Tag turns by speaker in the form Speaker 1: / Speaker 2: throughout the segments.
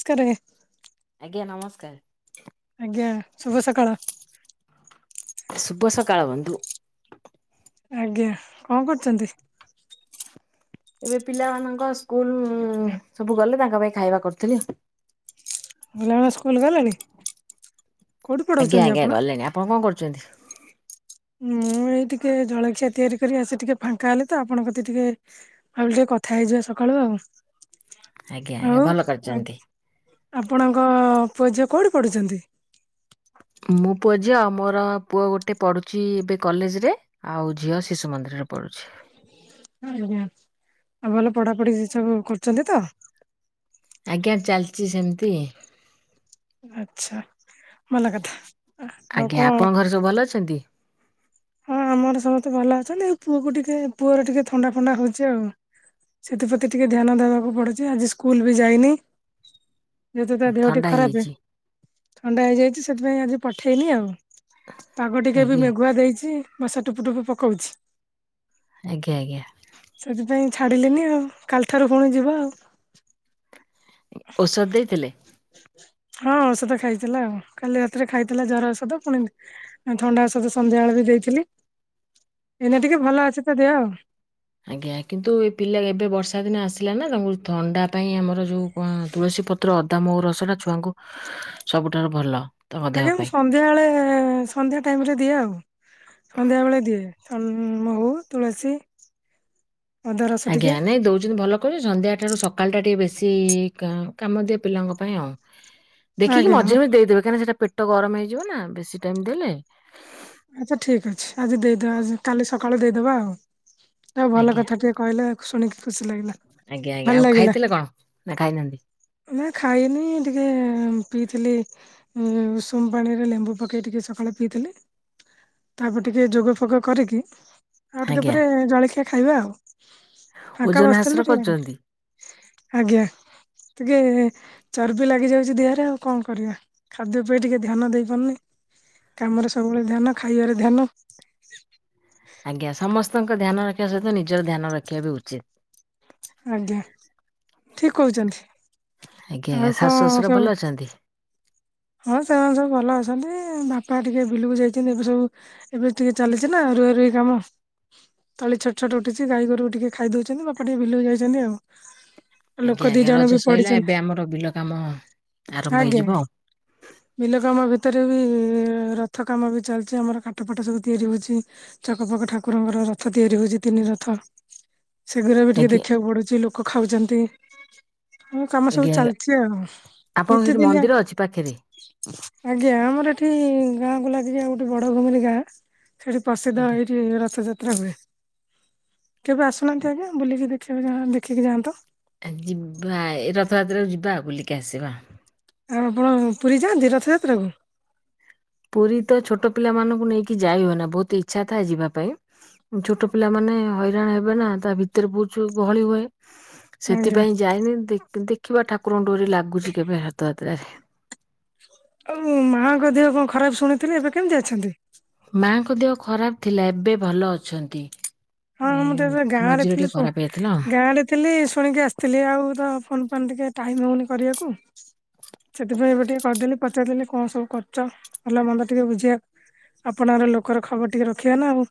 Speaker 1: ସ୍କାରେ
Speaker 2: ଆଜ୍ଞା ନମସ୍କାର।
Speaker 1: ଆଜ୍ଞା ଶୁଭ ସକାଳ।
Speaker 2: ଶୁଭ ସକାଳ ବନ୍ଧୁ।
Speaker 1: ଆଜ୍ଞା କଁ କରୁଛନ୍ତି?
Speaker 2: ଏବେ ପିଲାମାନଙ୍କ ସ୍କୁଲ ଉ ସବୁ ଗଲେ ତାଙ୍କ ପାଇଁ ଖାଇବା କରୁଥିଲି।
Speaker 1: ପିଲାମାନେ ସ୍କୁଲ ଗଲେଣି? କୋଉଠି
Speaker 2: ଆଜ୍ଞା
Speaker 1: ପଢଉଛନ୍ତି
Speaker 2: ଆଜ୍ଞା
Speaker 1: ଆପଣ?
Speaker 2: ଗଲେଣି, ଆପଣ କଣ କରୁଛନ୍ତି?
Speaker 1: ମୁଁ ଏଇ ଟିକେ ଜଳଖିଆ ତିଆରି କରି ଆସି ଟିକେ ଫାଙ୍କା ହେଲି ତ, ଆପଣଙ୍କ କତି ଟିକେ ଭାବିଲି ଟିକେ କଥା ହେଇଯିବା ସକାଳୁ
Speaker 2: ଆଜ୍ଞା
Speaker 1: ଆଉ।
Speaker 2: ଆଜ୍ଞା
Speaker 1: ଆଉ
Speaker 2: ଭଲ
Speaker 1: ଆ
Speaker 2: କରିଛନ୍ତି।
Speaker 1: ଆପଣଙ୍କ ପୁଅ ଝିଅ କୋଉଠି ପଢୁଛନ୍ତି?
Speaker 2: ମୋ ପୁଅ, ଝିଅ ଆ ମୋର ପୁଅ ଗୋଟେ ପଢ଼ୁଛି ଏବେ କଲେଜରେ। ଆଉ ଝିଅ ଶିଶୁ ମନ୍ଦିରରେ ପଢୁଛି।
Speaker 1: ଆଜ୍ଞା ଆଉ ଭଲ ପଢାପଢି ସେସବୁ କରୁଛନ୍ତି ତ?
Speaker 2: ଆଜ୍ଞା ଚାଲ୍ଚି ସେମିତି।
Speaker 1: ଆଛା ଭଲ କଥା, ଆଉ କଁ?
Speaker 2: ସ ଭଲ ଅଛନ୍ତି?
Speaker 1: ହଁ ଆମର ସମସ୍ତେ ଭଲ ଅଛନ୍ତି, ଏଇ ପୁଅକୁ ଟିକେ ପୁଅର ଟିକେ ଥଣ୍ଡା, ଫଣ୍ଡା ହଉଛି ଆଉ। ସେଥିପ୍ରତି ଟିକେ ଧ୍ୟାନ ଦେବାକୁ ପଡୁଛି, ଆଜି ସ୍କୁଲ ବି ଯାଇନି। ଯେହେତୁ ତା ଦେହଟି
Speaker 2: ଥଣ୍ଡା
Speaker 1: ଖରାପେ,
Speaker 2: ହେଇଯାଇଛି।
Speaker 1: ଥଣ୍ଡା ହେଇଯାଇଛି ସେଥିପାଇଁ ଆଜି ପଠେଇନି ଆଉ। ପାଗ ଟିକେ ବି
Speaker 2: ଆଜ୍ଞା
Speaker 1: ମେଘୁଆ ଦେଇଛି, ବଶା ଟୁପୁ, ଟୁପୁ ପକଉଛି।
Speaker 2: ଆଗ୍ୟା, ଆଗ୍ୟା।
Speaker 1: ସେଥିପାଇଁ ଛାଡ଼ିଲିନି ଆଉ, କାଲିଠାରୁ ପୁଣି ଯିବ ଆଉ।
Speaker 2: ଉ ଔଷଧ ଦେଇଥିଲେ?
Speaker 1: ହଁ ଔଷଧ ଖାଇଥିଲା ଆଉ କାଲି ରାତିରେ ଖାଇଥିଲା ଜର ଔଷଧ ପୁଣି ଥଣ୍ଡା ଓଷଦ ସନ୍ଧ୍ୟାବେଳେ ବି ଦେଇଥିଲି। ଏଇନା ଟିକେ ଭଲ ଅଛି ତ ଦେହ ଆଉ।
Speaker 2: ଆଜ୍ଞା, କିନ୍ତୁ ଏ ପିଲା ଏବେ ବର୍ଷା ଦିନ ଆସିଲା ନା ତାଙ୍କୁ ଥଣ୍ଡା ପାଇଁ ଆମର ଯୋଉ ହ ତୁଳସୀ ପତ୍ର, ଅଦା, ମହୁ ରସଟା ଛୁଆଙ୍କୁ ସବୁଠାରୁ ଭଲ। ତାଙ୍କ ଦେହ
Speaker 1: ଆଜ୍ଞା ମୁଁ
Speaker 2: ପାଇଁ।
Speaker 1: ସନ୍ଧ୍ୟାବେଳେ ସନ୍ଧ୍ୟା ଟାଇମରେ ଦିଏ ଆଉ। ସନ୍ଧ୍ୟାବେେଳେ ଦିଏ ଥ ମହୁ, ତୁଳସୀ ଅଦା ରସ ଟିକେ
Speaker 2: ଆଜ୍ଞା ନାଇଁ ଦଉଛନ୍ତି ଭଲ କ ସନ୍ଧ୍ୟାରୁ ସକାଳ ଟା ଟିକେ ବେଶୀ କାମ ଦିଏ ପିଲାଙ୍କ ପାଇଁ ଆଉ। ଦେଖିକି
Speaker 1: ଆଜ୍ଞା
Speaker 2: ମଝିରେ ମଝି ଦେଇଦେବେ କାହିଁକନା ସେଇଟାେଟ ଗରମ ହେଇଯିବ ନା ବେଶୀ ଟାଇମ ଦେଲେ।
Speaker 1: ଆଛା ଠିକ ଅଛି ଆଜି ଦେଇଦବା ଆଜି କାଲି ସକାଳୁ ଦେଇଦବା ଆଉ। ଆଉ ଭଲ
Speaker 2: ଆଜ୍ଞା
Speaker 1: କଥା ଟିଏ କହିଲେ। ଶୁଣିକି ଖୁସି ଲାଗିଲା
Speaker 2: ଆଜ୍ଞା ଆଜ୍ଞା ଆଉ
Speaker 1: ଭଲ ଲାଗିଲା।
Speaker 2: ଖାଇଥିଲେ କଣ ନା ଖାଇନାହାନ୍ତି?
Speaker 1: ନା ଖାଇନି ଟିକେ ପିଇଥିଲି ଉ ଉଷୁମ ପାଣି ରେ ଲେମ୍ବୁ ପକେଇ ଟିକେ ସକାଳେ ପିଇଥିଲି। ତାପରେ ଟିକେ ଯୋଗ ଫୋଗ କରିକି ଆଉ ଟିକେ
Speaker 2: ଆଜ୍ଞା
Speaker 1: ପରେ ଜଳଖିଆ ଖାଇବା ଆଉ। ଫାଙ୍କା
Speaker 2: ଓଜନ ହ୍ରାସ
Speaker 1: ବସିଥିଲି ଟିକେ
Speaker 2: କରୁଛନ୍ତି।
Speaker 1: ଆଜ୍ଞା। ଟିକେ ଚର୍ବି ଲାଗିଯାଉଛି ଦେହରେ ଆଉ କଣ କରିବା। ଖାଦ୍ୟପେୟ ଟିକେ ଧ୍ୟାନ ଦେଇ ପାରୁନି କାମରେ ସବୁବେଳେ ଧ୍ୟାନ ଖାଇବାରେ ଧ୍ୟାନ।
Speaker 2: ଆଜ୍ଞା ସମସ୍ତଙ୍କ ଧ୍ୟାନ ରଖିବା ସହିତ ନିଜର ଧ୍ୟାନ ରଖିବା ବି ଉଚିତ।
Speaker 1: ଆଜ୍ଞା ଠିକ କହୁଛନ୍ତି।
Speaker 2: ଆଜ୍ଞା
Speaker 1: ଆଉ
Speaker 2: ଆଜ୍ଞା ଶାଶୁ
Speaker 1: କଣ
Speaker 2: ଶଶୁର
Speaker 1: ସବୁ
Speaker 2: ଭଲ ଅଛନ୍ତି?
Speaker 1: ହଁ ସେମାନେ ସବୁ ଭଲ ଅଛନ୍ତି ବାପା ଟିକେ ବିଲକୁ ଯାଇଛନ୍ତି ଏବେ ସବୁ ଏବେ ଟିକେ ଚାଲିଛି ନା ରୁଆ ରୁଇ କାମ। ତଳି ଛୋଟ ଛୋଟ ଉଠଛି ଗାଈଗୋରୁ ଟିକେ ଖାଇଦେଉଛନ୍ତି ବାପା ଟିକେ ବିଲକୁ ଯାଇଛନ୍ତି ଆଉ। ଲୋକ
Speaker 2: ଆଜ୍ଞା
Speaker 1: ଦି
Speaker 2: ଆଜ୍ଞା
Speaker 1: ଜଣ ବି
Speaker 2: ରଜ ସରିଲା
Speaker 1: ପଡିଛନ୍ତି
Speaker 2: ଏବେ ଆମର ବିଲ କାମ ଆରମ୍ଭ
Speaker 1: ଆଜ୍ଞା।
Speaker 2: ହେଇଯିବ ଆଉ।
Speaker 1: ବିଲ କାମ ଭିତରେ ବି ରଥ କାମ ବି ଚାଲିଛି ଆମର କାଠ ଫାଠ ସବୁ ତିଆରି ହେଉଛି। ଚକ ପକ ଠାକୁରଙ୍କର ରଥ ତିଆରି ହଉଛି ତିନି ରଥ। ସେଗୁଡ଼ା ବି ଟିକେ
Speaker 2: ଆଜ୍ଞା
Speaker 1: ଦେଖିବାକୁ ପଡୁଛି ଲୋକ ଖାଉଛନ୍ତି। ମୋ କାମ
Speaker 2: ଆଜ୍ଞା
Speaker 1: ସବୁ
Speaker 2: ଆଜ୍ଞା
Speaker 1: ଚାଲିଛି ଆଉ
Speaker 2: ଆପଣଙ୍କ ସେଠି
Speaker 1: ଏତେ ଦିନ
Speaker 2: ମନ୍ଦିର ଅଛି ପାଖରେ।
Speaker 1: ଆଜ୍ଞା ଆମର ଏଠି ଗାଁକୁ ଲାଗିଚି ଆଉ ଗୋଟେ ବଡ ଘୁମିରି ଗାଁ। ସେଠି ପ୍ରସିଦ୍ଧ
Speaker 2: ଆଜ୍ଞା
Speaker 1: ଏଇଠି ରଥଯାତ୍ରା ହୁଏ। କେବେ ଆସୁନାହାନ୍ତି ଆଜ୍ଞା ବୁଲିକି ଦେଖିବା ଦେଖିକି ଯାଆନ୍ତ।
Speaker 2: ଯିବା ଏ ରଥଯାତ୍ରାକୁ ଯିବା ଆଉ ବୁଲିକି ଆସିବା।
Speaker 1: ଆଉ ଆପଣ ପୁରୀ ଯାଆନ୍ତି ରଥଯାତ୍ରାକୁ?
Speaker 2: ପୁରୀ ତ ଛୋଟ ପିଲାମାନଙ୍କୁ ନେଇକି ଯାଇ ହୁଏନା ବହୁତ ଇଛା ଥାଏ ଯିବାପାଇଁ। ଛୋଟ ପିଲାମାନେ ହଇରାଣ ହେବେ ନା ତା ଭିତରେ ବୁ ଛୁ ଗହଳି ହୁଏ।
Speaker 1: ଆଜ୍ଞା।
Speaker 2: ସେଥିପାଇଁ ଯାଇନି ଦେଖି ଦେଖିବା ଡୋରି କେବେ ରଥଯାତ୍ରାରେ।
Speaker 1: ଆଉ ମୁଁ ମାଆଙ୍କ ଦେହ କଣ ଖରାପ ଶୁଣିଥିଲି ଏବେ କେମିତି ଅଛନ୍ତି?
Speaker 2: ମାଆଙ୍କ ଦେହ ଖରାପ ଥିଲା ଏବେ ଭଲ ଅଛନ୍ତି।
Speaker 1: ହଁ
Speaker 2: ଏ
Speaker 1: ମୁଁ ତ ଏବେ ଗାଁ ରେ
Speaker 2: ମଝିରେ ଟିକେ
Speaker 1: ଥିଲି
Speaker 2: ଖରାପ ହେଇଯାଇଥିଲା ଆଉ।
Speaker 1: ସବୁ ଗାଁରେ ଥିଲି ଶୁଣିକି ଆସିଥିଲି ଆଉ ତ ଫୋନ ଫାନ୍ ଟିକେ ଟାଇମ ହଉନି କରିବାକୁ। ସେଥିପାଇଁ ଏବେ ଟିକେ କରିଦେଲି ପଚାରଦେଲି କଣ ସବୁ କରୁଛ ଭଲ ମନ୍ଦ ଟିକେ ବୁଝିବାକୁ। ଆପଣାର ଲୋକର ଖବର ଟିକେ ରଖିବା ନା ଆଉ।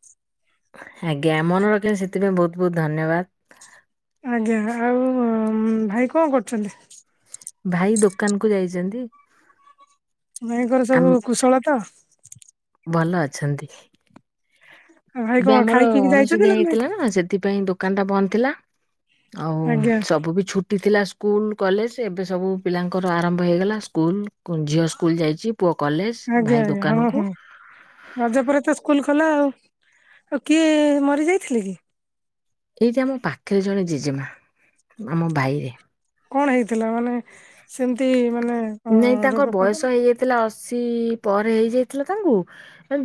Speaker 2: ଆଜ୍ଞା ମନେ ରଖିଲେ ସେଥିପାଇଁ ବହୁତ ବହୁତ ଧନ୍ୟବାଦ।
Speaker 1: ଆଜ୍ଞା ଆଉ ଭାଇ କଣ କରୁଛନ୍ତି?
Speaker 2: ଭାଇ ଦୋକାନ କୁ ଯାଇଛନ୍ତି।
Speaker 1: ଭାଇଙ୍କର
Speaker 2: ଆମ
Speaker 1: ସବୁ କୁଶଳ ତ?
Speaker 2: ଭଲ ଅଛନ୍ତି।
Speaker 1: ଆଉ ଭାଇ
Speaker 2: ଏବେ
Speaker 1: କଣ
Speaker 2: ଆମର
Speaker 1: ଖାଇ ପିଇକି ଯାଇଛନ୍ତି
Speaker 2: ଅଣସୁଧିଆ
Speaker 1: ନାଇଁ?
Speaker 2: ହେଇଥିଲା ନା ସେ ସେଥିପାଇଁ ଦୋକାନ ଟା ବନ୍ଦ ଥିଲା ଆଉ
Speaker 1: ଆଜ୍ଞା
Speaker 2: ସବୁ ବି ଛୁ ଏଠି ଥିଲା ସ୍କୁଲ କଲେଜ ଏବେ ସବୁ ପିଲାଙ୍କର ଆରମ୍ଭ ହୋଇଗଲା ସ୍କୁଲ୍ କୁ ଝିଅ ସ୍କୁଲ ଯାଇଛି ପୁଅ କଲେଜ
Speaker 1: ଆଜ୍ଞା
Speaker 2: ଭାଇ
Speaker 1: ଆଜ୍ଞା ହଁ ହଁ
Speaker 2: ଦୋକାନକୁ।
Speaker 1: ରଜ ପରେ ତ ସ୍କୁଲ ଖୋଲା ଆଉ ଆଉ କିଏ ମରି ଯାଇଥିଲେ କି?
Speaker 2: ଏଇଠି ଆମ ପାଖରେ ଜଣେ ଜେଜେମା ଆମ ଭାଇରେ।
Speaker 1: କଣ ହେଇଥିଲା ମାନେ ସେମିତି ମାନେ ରୋଗ ଫଗୋ।
Speaker 2: ଥିଲା ଅଶୀ ପରେ ହେଇଯାଇଥିଲା ତାଙ୍କୁ।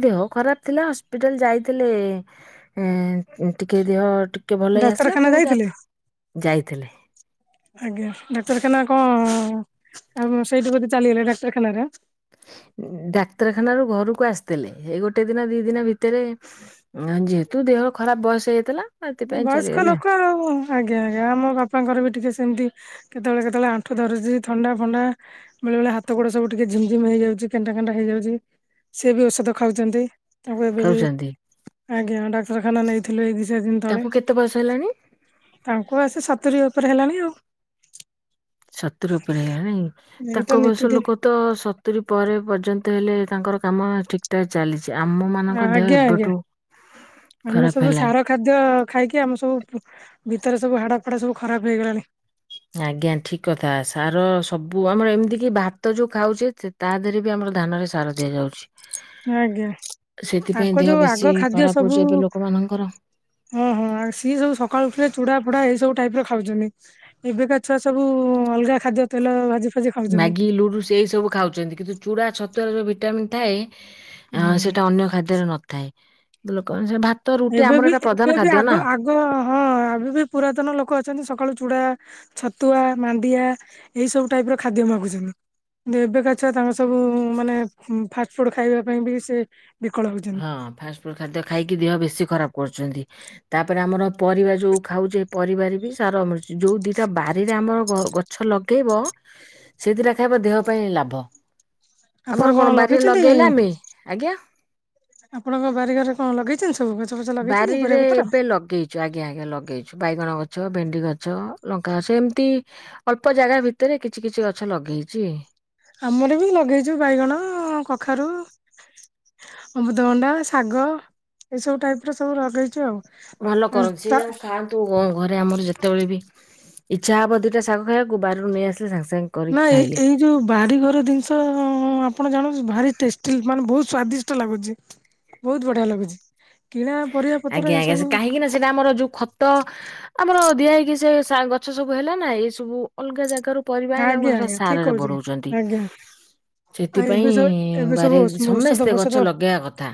Speaker 2: ଦେହ ଖରାପ ଥିଲା ହସ୍ପିଟାଲ ଯାଇଥିଲେ ଏ ଟିକେ ଦେହ। ଟିକେ ଭଲ ହେଇ ଆସିଲା
Speaker 1: ଡାକ୍ତରଖାନା
Speaker 2: ପୁଣି ତ
Speaker 1: ଯାଇଥିଲେ?
Speaker 2: ଯାଇଥିଲେ।
Speaker 1: ଆଜ୍ଞା ଡାକ୍ତରଖାନା କ ଆଉ ସେଇଠୁ କି ଚାଲିଗଲା ଡାକ୍ତରଖାନାରେ?
Speaker 2: ଡାକ୍ତରଖାନ ରୁ ଘରକୁ ଆସିଥିଲେ ଏଇ ଗୋଟେ ଦିନ ଦି ଦିନ ଭିତରେ। ଯେହେତୁ ଦେହର ଖରାପ ବୟସ ହେଇଥିଲା।
Speaker 1: ବୟସ୍କ ଲୋକ ଆଉ। ଆଜ୍ଞା ଆଜ୍ଞା ଆମ ବାପାଙ୍କର ବି ଟିକିଏ ସେମିତି କେତେବେଳେ କେତେବେଳେ ଆଣ୍ଠୁ ଧରିଛି ଥଣ୍ଡା ଫଣ୍ଡା। ବେଳେ ବେଳେ ହାତ ଗୋଡ ସବୁ ଟିକେ ଝିମ୍ ଝିମ୍ ହେଇଯାଉଛି କେଣ୍ଟା କେଣ୍ଟା ହେଇଯାଉଛି ସିଏ ବି ଔଷଧ ଖାଉଛନ୍ତି। ତାଙ୍କୁ ଏବେ ବି
Speaker 2: ଖାଉଛନ୍ତି
Speaker 1: ଆଜ୍ଞା ଡାକ୍ତରଖାନା ନେଇଥିଲୁ ଏଇ ଦି ଚାର ଦିନି ତଳେ।
Speaker 2: ତାଙ୍କୁ କେତେ ବୟସ ହେଲାଣି
Speaker 1: ତାଙ୍କୁ ଆସି ସତୁରି ଉପରେ ହେଲାଣି ଆଉ।
Speaker 2: ସତୁୁରୀ ଉପରେ ହେଇଗଲାଣି
Speaker 1: ଏଇତ
Speaker 2: ତାଙ୍କ ବୟସ
Speaker 1: ନିତିଦିନ
Speaker 2: ଲୋକ। ତ ସତୁୁରୀ ପରେ ପର୍ଯ୍ୟନ୍ତ ହେଲେ ତାଙ୍କର କାମ ଠିକ୍। ଟ ଚାଲିଛି ଆମ ମାନଙ୍କ ଦେହ
Speaker 1: ଆଜ୍ଞା ଆଜ୍ଞା।
Speaker 2: ଏବେଠୁ
Speaker 1: ଆମେ
Speaker 2: ଖରାପ
Speaker 1: ସବୁ ସାର
Speaker 2: ହେଲାଣି।
Speaker 1: ଖାଦ୍ୟ ଖାଇକି ଆମ ସବୁ ଭିତରେ ସବୁ ହାଡ଼ ଫଡା ସବୁ ଖରାପ ହେଇଗଲାଣି।
Speaker 2: ଆଜ୍ଞା ଠିକ କଥା ସାର ସବୁ ଆମର ଏମିତି କି ଭାତ ଯୋଉ ଖାଉଛେ। ତା ଦେହରେ ବି ଆମର ଧାନରେ ସାର ଦିଆଯାଉଛି।
Speaker 1: ଆଜ୍ଞା ତାଙ୍କ
Speaker 2: ସେଥିପାଇଁ ଦେହ
Speaker 1: ଯୋଉ ଆଗ
Speaker 2: ବେଶୀ
Speaker 1: ଖାଦ୍ୟ
Speaker 2: ଖରାପ
Speaker 1: ସବୁ
Speaker 2: ହଉଛି ଏବେ ଲୋକମାନଙ୍କର।
Speaker 1: ହଁ ହଁ ଆଉ ସିଏ ସବୁ ସକାଳୁ ଉଠିଲେ ଚୁଡା ଫୋଡା ଏଇ ସବୁ ଟାଇପ ରେ ଖାଉଛନ୍ତି। ଏବେକା ଛୁଆ ସବୁ ଅଲଗା। ଖାଦ୍ୟ ତେଲ ଭାଜି ଫାଜି ଖାଉଛନ୍ତି।
Speaker 2: ମ୍ୟାଗି ଲୁଡୁ ସେ ଏଇ ସବୁ ଖାଉଛନ୍ତି। କିନ୍ତୁ ଚୂଡ଼ା ଛତୁଆରେ ଯୋଉ ଭିଟାମିନ୍ ଥାଏ
Speaker 1: ହୁଁ
Speaker 2: ସେଇଟା ଅନ୍ୟ ଖାଦ୍ୟରେ ନ ଥାଏ ଲୋକ ଭାତ ରୁଟି ଆମର ଏଟା ପ୍ରଧାନ ଖାଦ୍ୟ ନା।
Speaker 1: ହଁ ହଁ ଏବେ ବି ପୁରାତନ ଲୋକ ଅଛନ୍ତି ସକାଳୁ ଚୁଡା। ଛତୁଆ ମାଣ୍ଡିଆ ଏଇ ସବୁ ଟାଇପ ର ଖାଦ୍ୟ ମାଗୁଛନ୍ତି। ଏବେକା ଛୁଆ ତାଙ୍କ ସବୁ ମାନେ ଫାଷ୍ଟ ଫୁଡ ଖାଇବା ପାଇଁ ବି ସେ ବିକଳ ହଉଛନ୍ତି।
Speaker 2: ହଁ ଫାଷ୍ଟଫୁଡ଼୍ ଖାଦ୍ୟ ଖାଇକି ଦେହ ବେଶୀ ଖରାପ କରୁଛନ୍ତି। ତାପରେ ଆମର ପରିବା ଯୋଉ ଖାଉଛେ ପରିବାରେ ବି ସାର ମିଳଛି ଯୋଉ ଦିଟା ବାରିରେ ଆମର ଗ ଗଛ ଲଗେଇବ ସେଇଥିର ଖାଇବ ଦେହ ପାଇଁ ଲାଭ।
Speaker 1: ଆପଣ
Speaker 2: ଆମର କଣ ବାରିରେ ଲଗେଇଲେ
Speaker 1: ଲଗେଇଛନ୍ତି
Speaker 2: ଆମେ ଆଜ୍ଞା।
Speaker 1: ଆପଣଙ୍କ ବାରିଘରେ କଣ ଲଗେଇଛନ୍ତି ସବୁ ଗଛ ଫଛ ଲଗେଇଛନ୍ତି
Speaker 2: ବାରିରେ
Speaker 1: ପରିବା ପତ୍ର?
Speaker 2: ଏବେ ଲଗେଇଛୁ ଆଜ୍ଞା ଆଜ୍ଞା ଲଗେଇଛୁ ବାଇଗଣ ଗଛ ଭେଣ୍ଡି ଗଛ ଲଙ୍କା ଗଛ ଏମିତି। ଅଳ୍ପ ଜାଗା ଭିତରେ କିଛି କିଛି ଗଛ ଲଗେଇଛି।
Speaker 1: ଆମର ବି ଲଗେଇଛୁ ବାଇଗଣ କଖାରୁ। ଅମୃତ ଭଣ୍ଡା ଶାଗ ଏଇସବୁ ଟାଇପ ର ସବୁ ଲଗେଇଛୁ ଆଉ।
Speaker 2: ଭଲ କରନ୍ତୁ ସେ ଯୁ ଖାଆନ୍ତୁ ଘରେ ଆମର ଯେତେବେଳେ ବି। ଇଚ୍ଛା ହବ ଦୁଇଟ ଶାଗ ଖାଇବାକୁ ବାରାରୁରୁ ନେଇ ଆସିଲେ ସାଙ୍ଗ ସାଙ୍ଗେ। କରିକି
Speaker 1: ନାଇ
Speaker 2: ଖାଇଲେ।
Speaker 1: ଏଇ। ଯୋଉ ବାରିଘର ଜିନିଷ ଆପଣ ଜାଣନ୍ତୁ ଭାରି ଟେଷ୍ଟି ମାନେ ବହୁତ ସ୍ଵାଦିଷ୍ଟ ଲାଗୁଛି। ବହୁତ ବଢିଆ ଲାଗୁଛି। କିଣା ପରିବା ପତ୍ର
Speaker 2: ଆଜ୍ଞା
Speaker 1: ଏ
Speaker 2: ଆଜ୍ଞା ସେ
Speaker 1: ସବୁ
Speaker 2: କାହିଁକି ନା ସେଟା ଆମର ଯୋଉ ଖ ତ ଆମର ଦିଆ ହେଇକି ସେ ଗଛ ସବୁ ହେଲା ନା ଏ ସବୁ ଅଲଗା ଜାଗାରୁ ପରିବା ହେଲେ
Speaker 1: ଆଜ୍ଞା
Speaker 2: ସେଟା
Speaker 1: ଆଜ୍ଞା ଠିକ
Speaker 2: ସାରରେ
Speaker 1: କହୁଛନ୍ତି
Speaker 2: ବଢଉଛନ୍ତି।
Speaker 1: ଆଜ୍ଞା। ଆଉ ଏବେ
Speaker 2: ସେଥିପାଇଁ
Speaker 1: ସବୁ ଏବେ
Speaker 2: ବ
Speaker 1: ସବୁ ଔଷଧ
Speaker 2: ସମସ୍ତେ
Speaker 1: ଫୋଷଧ
Speaker 2: ଗଛ ଲଗେଇବା କଥା।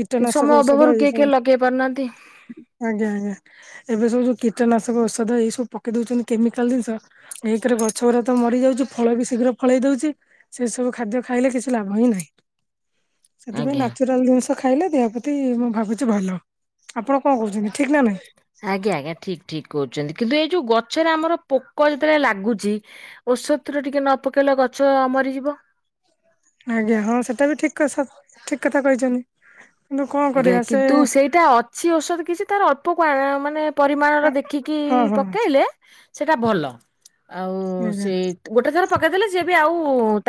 Speaker 1: କୀଟନାଶକ ଔଷଧ। ଏଇ
Speaker 2: କେହି
Speaker 1: ସବୁ
Speaker 2: ତ ଲଗେଇ ପାରୁନାହାନ୍ତି।
Speaker 1: ଆଜ୍ଞା ଆଜ୍ଞା। ଏବେ ସବୁ ଯୋଉ କୀଟନାଶକ ଔଷଧ ଏଇ ସବୁ ପକେଇ ଦଉଛନ୍ତି କେମିକାଲ ଜିନିଷ। ଏକରେ ଗଛ ଗୁଡା ତ ମରି ଯାଉଛି ଫଳ ବି ଶୀଘ୍ର ଫଳେଇ ଦଉଛି। ସେ ସବୁ ଖାଦ୍ୟ ଖାଇଲେ କିଛି ଲାଭ ହିଁ ନାହିଁ ସେଥିପାଇଁ
Speaker 2: ଆଜ୍ଞା।
Speaker 1: ନାଚୁରାଲ ଜିନିଷ। ତ ଖାଇଲେ ଦେହପତି ମୁଁ ଭାବୁଛି ଭଲ ଆପଣ କଣ କରୁଛନ୍ତି ଠିକ ନା ନାଇଁ?
Speaker 2: ଆଜ୍ଞା ଆଜ୍ଞା ଠିକ ଠିକ କରୁଛନ୍ତି କିନ୍ତୁ ଏଇ ଯୋଉ ଗଛରେ ଆମର ପୋକ ଯେତେବେଳେ ଲାଗୁଛି। ଔଷଧରେ ଟିକେ ନ ପକେଇଲେ ଗଛ ମରିଯିବ।
Speaker 1: ଆଜ୍ଞା ହଁ ସେଟା ବି ଠିକ ଠିକ କଥା କହିଛନ୍ତି। କିନ୍ତୁ କଣ
Speaker 2: ଆଜ୍ଞା
Speaker 1: କରିବା ସେ
Speaker 2: କିନ୍ତୁ ସେଇଟା ଅଛି ଔଷଧ କିଛି ତାର ଅଳ୍ପ କ୍ୱା ମାନେ ପରିମାଣର ଦେଖିକି
Speaker 1: ହଁ ହଁ
Speaker 2: ପକେଇଲେ ସେଇଟା ଭଲ ଆଉ
Speaker 1: ଆଜ୍ଞା
Speaker 2: ସେ ଗୋଟେ ଥର ପକେଇଦେଲେ ଯିଏ ବି ଆଉ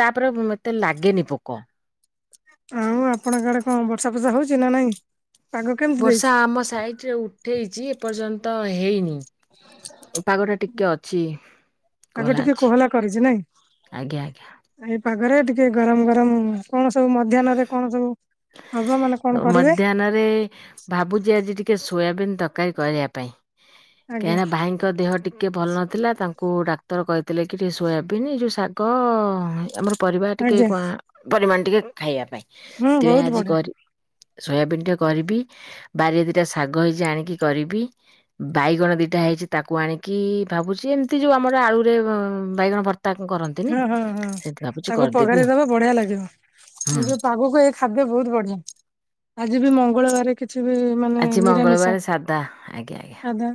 Speaker 2: ତାପରେ ମତେ ଲାଗେନି ପୋକ।
Speaker 1: ଆଉ ଆପଣଙ୍କ ଆଡେ କଣ ବର୍ଷା ଫର୍ଷା ହଉଛି ନା ନାଇଁ? ପାଗ କେମିତି ଦେଇଛି
Speaker 2: ବର୍ଷା ଆମ ସାଇଡରେ ଉଠେଇଛି ଏପର୍ଯ୍ୟନ୍ତ ହେଇନି। ପାଗ ଟା ଟିକେ ଅଛି
Speaker 1: ପାଗ
Speaker 2: କହଲା
Speaker 1: ଟିକେ
Speaker 2: ଅଛି।
Speaker 1: କୋହଲା କରିଛି ନାଇଁ?
Speaker 2: ଆଜ୍ଞା ଆଜ୍ଞା।
Speaker 1: ଏଇ ପାଗରେ ଟିକେ ଗରମ ଗରମ କଣ ସବୁ ମଧ୍ୟାହ୍ନରେ କଣ ସବୁ ହବ ମାନେ କଣ କରିବେ
Speaker 2: ମଧ୍ୟାହ୍ନରେ ଭାବୁଛି ଆଜି ଟିକେ ସୋୟାବିନ୍ ତରକାରୀ କରିବା ପାଇଁ।
Speaker 1: ଆଜ୍ଞା।
Speaker 2: ତେଣେ ଭାଇ ଦେହ ଟିକିଏ ଭଲ ନଥିଲା ତାଙ୍କୁ ଡାକ୍ତର କହିଥିଲେ କି ଟିକିେ ସୋୟାବିନ୍ ଏ ଯେଉଁ ଶାଗ ଆମର ପରିବା ଟିକେ
Speaker 1: ଆଜ୍ଞା
Speaker 2: କଣ ପରିମାଣ ଟିକେ ଖାଇବା ପାଇଁ
Speaker 1: ହୁଁ
Speaker 2: ସେଥିପାଇ
Speaker 1: ବହୁତ
Speaker 2: ଆଜି
Speaker 1: ବଢିଆ
Speaker 2: କରି ସୋୟାବିିନ ଟେ କରିବି ବାରିରେ ଦିଟା ଶାଗ ହେଇଛି ଆଣିକି କରିବି। ବାଇଗଣ ଦିଟା ହେଇଛି ତାକୁ ଆଣିକି ଭାବୁଛି ଏମିତି ଯୋଉ ଆମର ଆଳୁରେ ବାଇଗଣ ଭର୍ତ୍
Speaker 1: ହଁ ହଁ ହଁ ତାକୁ
Speaker 2: କରିଦେବି
Speaker 1: ପଘାରି
Speaker 2: ଆଉ
Speaker 1: ଦବ ବଢିଆ ଲାଗିବ।
Speaker 2: ହୁଁ
Speaker 1: ଆଗକୁ ଏ ଖାଦ୍ୟ ବହୁତ ବଢିଆ ଆଜି ବି ମଙ୍ଗଳବାର କିଛି ବି ମାନେ
Speaker 2: ଆଜି
Speaker 1: ନିରାମିଷ
Speaker 2: ମଙ୍ଗଳବାର ସାଧା ଆଜ୍ଞା ଆଜ୍ଞା
Speaker 1: ସାଧା।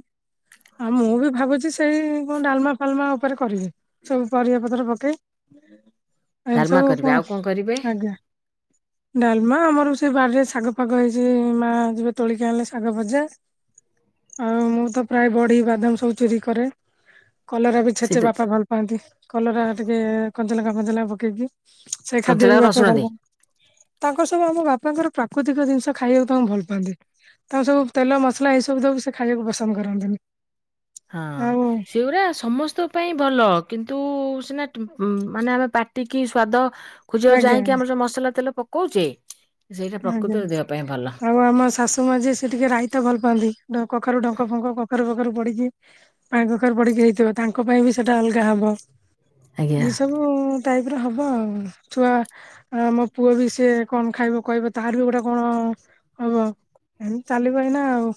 Speaker 1: ଆଉ ମୁଁ ବି ଭାବୁଛି ସେଇ କଣ ଡାଲମା ଫାଲମା ଉପରେ କରିବି ସବୁ ପରିବା ପକେଇ ଆ ଏମିତି
Speaker 2: ଡାଲମା
Speaker 1: ସବୁ
Speaker 2: କରିବେ ଆଉ କରିବେ
Speaker 1: କଣ ଆଜ୍ଞା। ଡାଲମା ଆମର ସେ ବାଡ଼ିରେ ଶାଗ ଫାଗ ହେଇଛି ମା ଯିବ ତୋଳିକା ଆଣିଲେ ଶାଗ ଭଜା। ଆଉ ମୁଁ ତ ପ୍ରାୟ ବଢି ବାଦାମ ସବୁ ଚୋରି କରେ। କଲରା ବି ଛେଚେ
Speaker 2: ସେଇଟା
Speaker 1: ବାପା ଭଲ ପାଆନ୍ତି କଲରା ଟିକେ କଞ୍ଚଲଙ୍କା ଫଞ୍ଚଲଙ୍କା ପକେଇକି। ସେ ଖାଦ୍ୟ ବି
Speaker 2: କଞ୍ଚାଲଙ୍କା
Speaker 1: ବାପା
Speaker 2: ରସୁଣ ଦେଇ
Speaker 1: ଭଲ। ତାଙ୍କ ସବୁ ଆମ ବାପାଙ୍କର ପ୍ରାକୃତିକ ଜିନିଷ ଖାଇବାକୁ ତାଙ୍କୁ ଭଲ ପାଆନ୍ତି। ତାଙ୍କୁ ସବୁ ତେଲ ମସଲା ଏଇ ସବୁ ଦବ ସେ ଖାଇବାକୁ ପସନ୍ଦ କରନ୍ତିନି।
Speaker 2: ହଁ
Speaker 1: ଆଉ
Speaker 2: ସେଗୁଡା ସମସ୍ତ ପାଇଁ ଭଲ କିନ୍ତୁ ସିନା ମାନେ ଆମେ ପାଟିକି ସ୍ଵାଦ ଖୋଜିବାକୁ
Speaker 1: ଆଜ୍ଞା
Speaker 2: ଯାଇକି
Speaker 1: ଆଜ୍ଞା
Speaker 2: ଆମର ଯୋଉ ମସଲା ତେଲ ପକଉଛେ।
Speaker 1: ଆଜ୍ଞା ଆଉ ଆମ ଶାଶୁ ମା ଯିଏ ସେ ଟିକେ ରାଇତା ଭଲ ପାଆନ୍ତି କଖାରୁ ଡଙ୍କ ଫଙ୍କ କଖାରୁ କଖାରୁ ପଡିକି। ପାଣିକଖାରୁ ପଡିକି ହେଇଥିବ ତାଙ୍କ ପାଇଁ ବି ସେଟା ଅଲଗା ହବ
Speaker 2: ଆଜ୍ଞା
Speaker 1: ଏଇ ସବୁ ଟାଇପର ହବ ଆଉ ଛୁଆ ମୋ ପୁଅ ବି ସିଏ କଣ ଖାଇବ? କହିବେ ତାର ବି ଗୋଟେ କଣ ହବ ଏମିତି ଚାଲିବ ଏଇନା ଆଉ।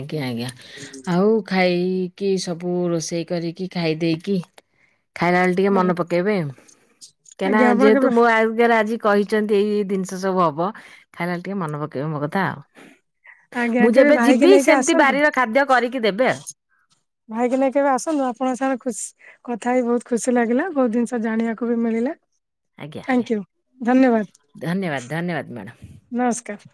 Speaker 2: ଆଜ୍ଞା ଆଜ୍ଞା ଆଉ ଖାଇକି ସବୁ ରୋଷେଇ କରିକି ଖାଇ ଦେଇକି ଖାଇଲା ବେଳେ ଟିକେ ମନେ ପକେଇବେ କାହିଁକିନା
Speaker 1: ଆଜ୍ଞା ଆପଣ
Speaker 2: ଯେହେତୁ
Speaker 1: କେବେ
Speaker 2: ମୋ [unintelligible] ଆଜି କହିଚନ୍ତି ଏଇ ଜିନିଷ ସବୁ ହବ ଖାଇଲା ବେଳେ ଟିକେ ମନେ ପକେଇବେ ମୋ କଥା ଆଉ।
Speaker 1: ଆଜ୍ଞା
Speaker 2: ମୁଁ
Speaker 1: କେବେ
Speaker 2: ଯେବେ
Speaker 1: ଭାଇକି
Speaker 2: ଯିବି
Speaker 1: ନେଇକି
Speaker 2: ସେମିତି
Speaker 1: ଆସନ୍ତୁ।
Speaker 2: ବାରିର ଖାଦ୍ୟ କରିକି ଦେବେ ଆଉ।
Speaker 1: ଭାଇକି ନେଇ କେବେ ଆସନ୍ତୁ ଆପଣ [unintelligible] ଖୁସ୍ କଥା ହେଇ ବହୁତ ଖୁସି ଲାଗିଲା ବହୁତ ଜିନିଷ ଜାଣିବାକୁ ବି ମିଳିଲା।
Speaker 2: ଆଜ୍ଞା ଆଜ୍ଞା
Speaker 1: ଥ୍ୟାଙ୍କୟୁ ଧନ୍ୟବାଦ
Speaker 2: ଧନ୍ୟବାଦ ଧନ୍ୟବାଦ ମ୍ୟାଡ଼ମ୍।
Speaker 1: ନମସ୍କାର।